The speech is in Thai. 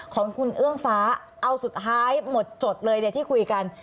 ของคุณเอื้องฟ้าเอาสุดท้ายหมดจดเลยเนี่ยที่คุยกัน